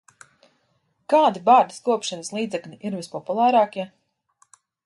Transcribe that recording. Kādi bārdas kopšanas līdzekļi ir vispopulārākie?